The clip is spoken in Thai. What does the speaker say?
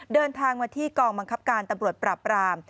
เดินทางมาที่กองบังคับการตำรวจปราบราม